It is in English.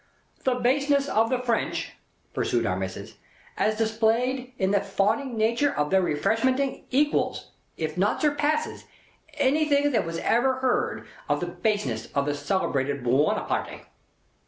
"The baseness of the French," pursued Our Missis, "as displayed in the fawning nature of their Refreshmenting, equals, if not surpasses, anythink as was ever heard of the baseness of the celebrated Buonaparte."